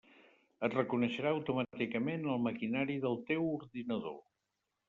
Et reconeixerà automàticament el maquinari del teu ordinador.